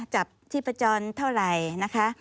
จับที่ประจนเท่าไหร่นะคะ